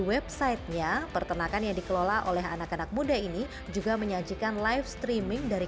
websitenya pertanakan yang dikelola oleh anak anak muda ini juga menyajikan live streaming dari